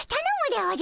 おじゃ。